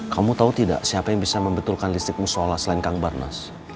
kamu tahu tidak siapa yang bisa membetulkan listrik musola selain kang barnas